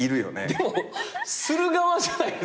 でもする側じゃないですか？